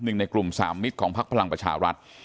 หนึ่งในกลุ่มสามมิตรของพักพลังประชารัฐ